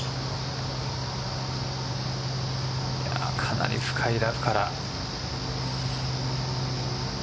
かなり深いラフから。